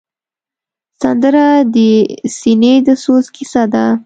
سندره د سینې د سوز کیسه ده